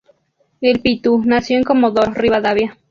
El "pitu" nació en Comodoro Rivadavia.